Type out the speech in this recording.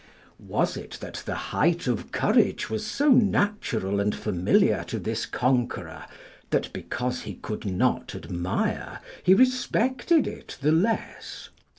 ] Was it that the height of courage was so natural and familiar to this conqueror, that because he could not admire, he respected it the less?